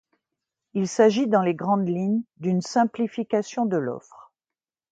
Il s'agit dans les grandes lignes d'une simplification de l'offre.